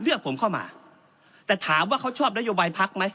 เลือกผมเข้ามาแต่ถามว่าเขาชอบนโยบายพักไหม